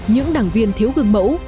những đảng viên thiếu gương mẫu